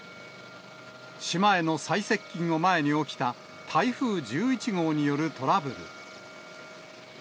島への最接近を前に起きた、台風１１号によるトラブル。